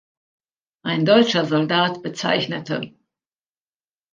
Ein deutscher Soldat" bezeichnete.